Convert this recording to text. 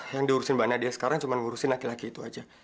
yang diurusin mbak nadia sekarang cuma ngurusin laki laki itu aja